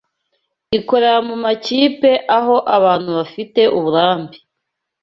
ikorera mumakipe aho abantu bafite uburambe